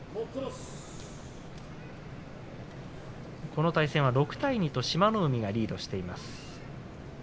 この対戦は６対２と志摩ノ海がリードしています。